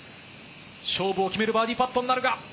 勝負を決めるバーディーパットになるか？